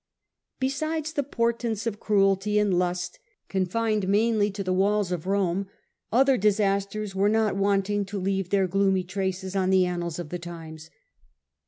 Besides the portents of cruelty and lust, confined mainly to the walls of Rome, other disasters were not wanting to leave their gloomy traces on the annals ol the times.